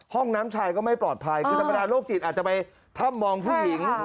ห้องน้ำชายก็ไม่ปลอดภัยคือธรรมดาโรคจิตอาจจะไปถ้ำมองผู้หญิง